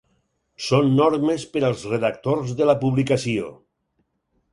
Són normes per als redactors de la publicació.